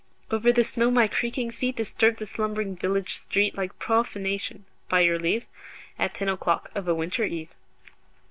Over the snow my creaking feet Disturbed the slumbering village street Like profanation, by your leave, At ten o'clock of a winter eve.